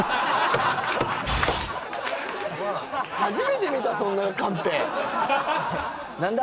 初めて見たそんなカンペ何だ？